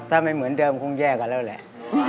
ถ้าไม่เหมือนเดิมคงแยกกันแล้วแหละ